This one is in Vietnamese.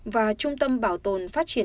và trung tâm bảo tồn phát triển